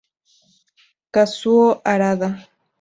Kazuo Harada